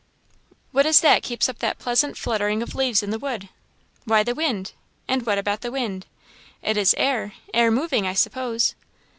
"What is it that keeps up that pleasant fluttering of leaves in the wood?" "Why, the wind." "And what is the wind?" "It is air air moving, I suppose."